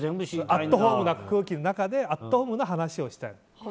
アットホームな空気の中でアットホームな話がしたい。